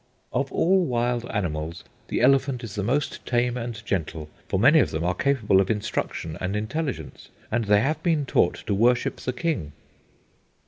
"Of all wild animals, the elephant is the most tame and gentle; for many of them are capable of instruction and intelligence, and they have been taught to worship the king."